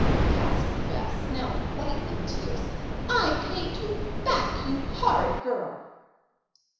gasped Bess, now quite in tears. "I paid you back you horrid girl!"